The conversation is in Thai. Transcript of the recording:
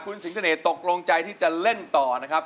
คุณสิงเสน่ห์ตกลงใจที่จะเล่นต่อนะครับ